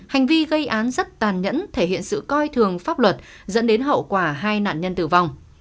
hành vi gây án rất tàn nhẫn thể hiện sự coi thường pháp luật dẫn đến hậu quả hai nạn nhân tử vong